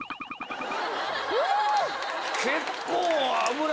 結構。